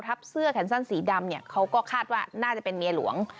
เสื้อแขนสั้นสีดำเนี่ยเขาก็คาดว่าน่าจะเป็นเมียหลวง